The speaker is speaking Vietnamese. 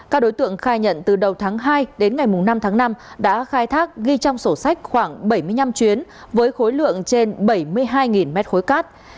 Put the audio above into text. các đối tượng khai nhận từ đầu tháng hai đến ngày năm tháng năm đã khai thác ghi trong sổ sách khoảng bảy mươi năm chuyến với khối lượng trên bảy mươi hai mét khối cát